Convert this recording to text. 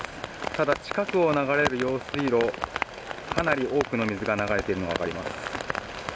ただ、近くを流れる用水路かなり多くの水が流れているのが分かります。